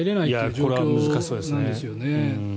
これは難しそうですね。